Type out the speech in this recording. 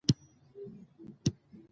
طبیعي سرچینې د انسان د ژوند بنسټ جوړوي